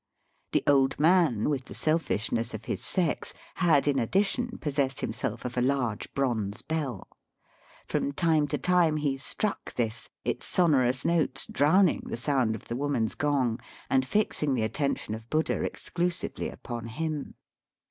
The old man, with the selfishness of his sex, had in addition possessed himself of a large bronze beU. From time to time he struck this, its sonorous notes drown ing the sound of the woman's gong and fixing the attention of Buddha exclusively upon him.